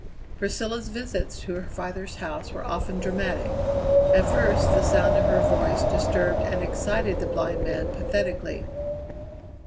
Priscilla's visits to her father's house were often dramatic. At first the sound of her voice disturbed and excited the blind man pathetically.